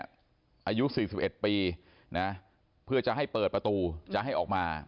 อายุ๔๑ปีนะเพื่อจะให้เปิดประตูจะให้ออกมา